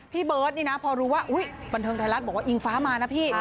พี่เบิร์ตนี่นะพอรู้ว่าบันเทิงไทยรัฐบอกว่าอิงฟ้ามานะพี่